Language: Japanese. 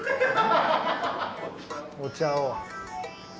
お茶を。